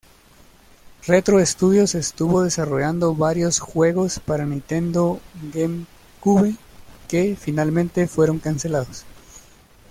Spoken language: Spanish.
Retro Studios estuvo desarrollando varios juegos para Nintendo GameCube que finalmente fueron cancelados.